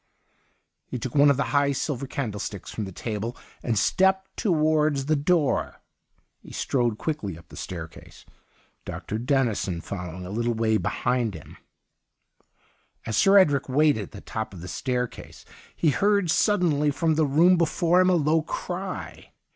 He took one of the high silver candlesticks from the table and stepped towards the door. He 115 THE UNDYING THING strode quickly up the staircase. Dr. Dennison following a little way behind him. As Sir Edric waited at the top of the staircase he heard suddenly from the room before him a low cry.